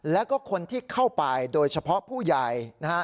แล้วก็คนที่เข้าไปโดยเฉพาะผู้ใหญ่นะฮะ